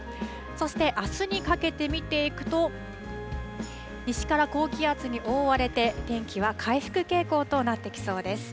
そしてあすにかけて見ていくと、西から高気圧に覆われて、天気は回復傾向となってきそうです。